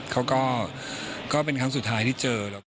ก็เป็นครั้งสุดท้ายที่เจอ